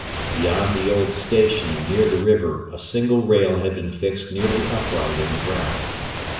Beyond the old station and near the river a single rail had been fixed nearly upright in the ground.